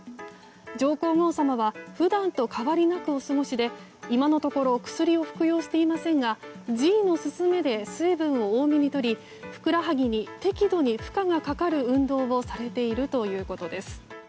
上皇后さまは普段と変わりなくお過ごしで今のところ薬を服用していませんが侍医の勧めで水分を多めにとりふくらはぎに適度に負荷がかかる運動をされているということです。